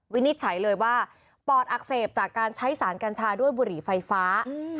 วินิจฉัยเลยว่าปอดอักเสบจากการใช้สารกัญชาด้วยบุหรี่ไฟฟ้า